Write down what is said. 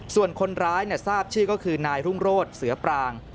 ส่วนคนร้ายทราบชื่อก็คือนายรุ่งโรศเสือปราง